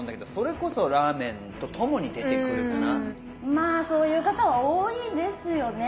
まあそういう方は多いですよね。